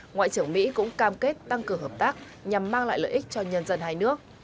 ngoại trưởng mỹ cũng cam kết tăng cường hợp tác nhằm mang lại lợi ích cho nhân dân hai nước